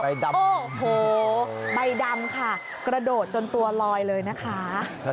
โอ้โหใบดำค่ะกระโดดจนตัวลอยเลยนะคะ